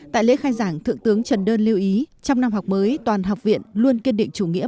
tại lễ khai giảng thượng tướng trần đơn lưu ý trong năm học mới toàn học viện luôn kiên định chủ nghĩa